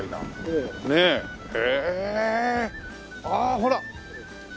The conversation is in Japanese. ああほら！